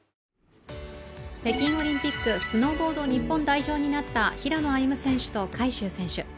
北京オリンピック・スノーボード日本代表になった平野歩夢選手と海祝選手。